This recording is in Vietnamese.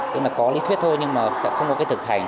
tức là có lý thuyết thôi nhưng mà sẽ không có cái thực hành